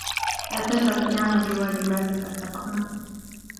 لا تنس القيام بواجاتك، اتّفقنا؟